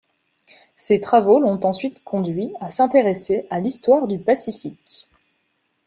Ses travaux l'ont ensuite conduit à s'intéresser à l’histoire du Pacifique.